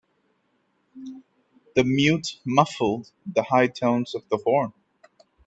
The mute muffled the high tones of the horn.